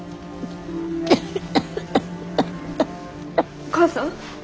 お母さん？